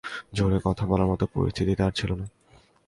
জোরে কথা বলার মত পরিস্থিতি তাঁর ছিল না।